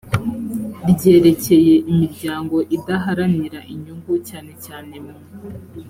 ryerekeye imiryango idaharanira inyungu cyane cyane mu